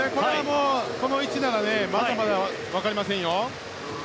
この位置ならまだまだ分かりませんよ。